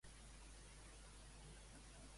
Per quin motiu és que són en aquest indret?